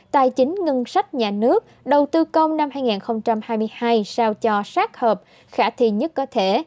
tài chính ngân sách nhà nước đầu tư công năm hai nghìn hai mươi hai sao cho sát hợp khả thi nhất có thể